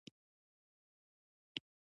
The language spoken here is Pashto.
د کلیزو منظره د افغانستان یوه طبیعي ځانګړتیا ده.